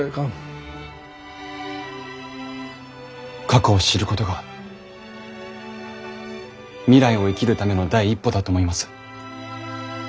過去を知ることが未来を生きるための第一歩だと思います。